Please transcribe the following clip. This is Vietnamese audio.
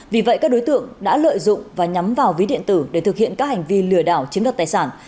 vì vậy các đối tượng đã lợi dụng và nhắm vào ví điện tử để thực hiện các hành vi lừa đảo chiếm đặt tài sản